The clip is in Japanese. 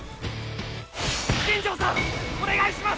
金城さんお願いします！